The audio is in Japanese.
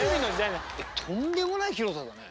とんでもない広さだね。